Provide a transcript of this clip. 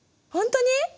ほんとに！？